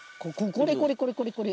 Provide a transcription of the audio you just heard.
これこれこれこれ。